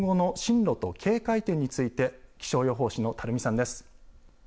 台風７号の今後の進路と警戒点について気象予報士の垂水さんです。